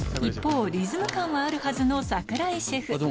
一方リズム感はあるはずの櫻井シェフ